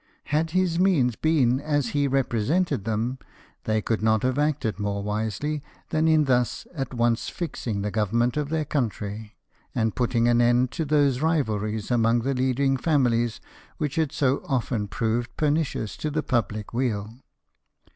Had his means been as he represented them, they could not have acted more wisely than in thus at once fixing the government of their country, and putting an end to those rivahies among the lead ing families which had so often proved pernicious to the public weal.